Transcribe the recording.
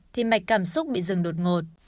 thì mạch cảm xúc bị dừng đột ngột